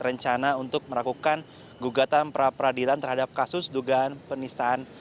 rencana untuk merakukan gugatan peradilan terhadap kasus dugaan penistaan